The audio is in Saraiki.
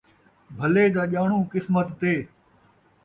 بھلے دا ڄاݨو قسمت تے